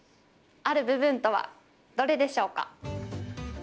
ある部分とは、どれでしょうか。